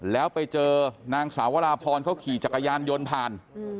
แล้วไปเจอนางสาวราพรเขาขี่จักรยานยนต์ผ่าน